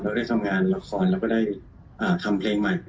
เราก็ได้ทำงานละครเราก็ได้ทำเพลงใหม่